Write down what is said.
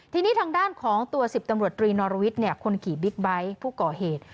ทีนี้ทางด้านของตัว๑๐ตำรวจตรีนอรวิทย์คนขี่บิ๊กไบท์ผู้ก่อเหตุ